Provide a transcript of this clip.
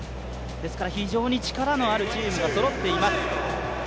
非常に力のあるチームがそろっています。